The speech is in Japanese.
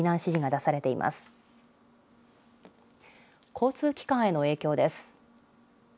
交通機関への影響です。